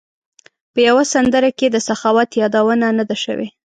په یوه سندره کې د سخاوت یادونه نه ده شوې.